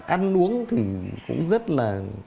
ăn uống thì cũng rất là